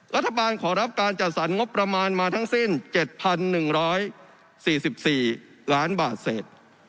รัฐบาลขอรับการจัดสรรงบประมาณมาทั้งสิ้น๗๑๔๔ล้านบาทเศษ